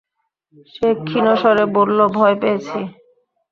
সে ক্ষীণ স্বরে বলল, ভয় পেয়েছি।